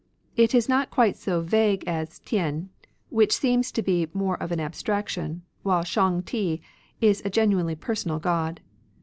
It is not quite so Shang*TL ^*^®^ THen, which seems to be more of an abstraction, while Shang Ti is a genuinely personal God.